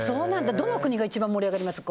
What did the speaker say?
どの国が一番盛り上がりました？